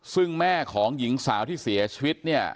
ซึ่งแม่ของหญิงสาวที่เสียชีวิตเนี่ย